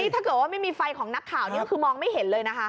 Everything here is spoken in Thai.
ถ้าเกิดว่าไม่มีไฟของนักข่าวนี้ก็คือมองไม่เห็นเลยนะคะ